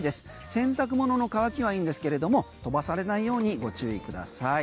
洗濯物の乾きはいいんですけれども飛ばされないようにご注意ください。